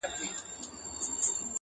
دولت وویل تر علم زه مشهور یم،